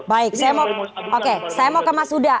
baik oke saya mau ke mas huda